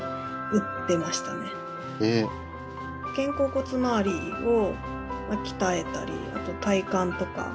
肩甲骨周りを鍛えたりあと体幹とか。